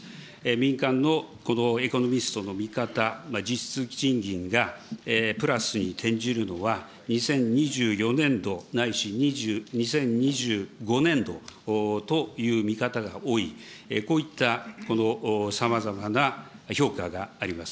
民間のエコノミストの見方、実質賃金がプラスに転じるのは２０２４年度ないし、２０２５年度という見方が多い、こういったさまざまな評価があります。